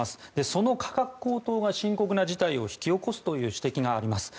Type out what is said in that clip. その価格高騰が深刻な事態を引き起こすという指摘があります。